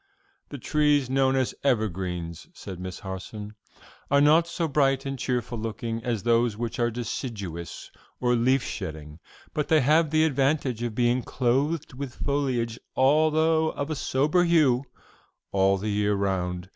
"The trees known as evergreens," said Miss Harson, "are not so bright and cheerful looking as those which are deciduous, or leaf shedding, but they have the advantage of being clothed with foliage, although of a sober hue, all the year round.